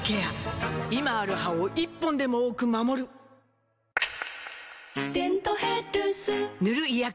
今ある歯を１本でも多く守る「デントヘルス」塗る医薬品も